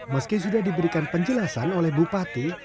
meski sudah diberikan penjelasan oleh bupati